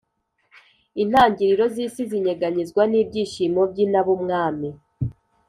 intangiriro z’isi zinyeganyezwa, n’ibyishimo by’na b’ umwami,